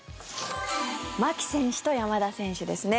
牧選手と山田選手ですね。